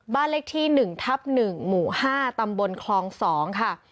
บ้านเลขที่๑ทับ๑หมู่๕ตำบลคลอง๒ค่ะ